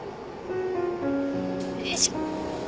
よいしょ。